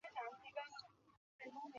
তিনি জবাব দিতে গিয়েও দিলেন না।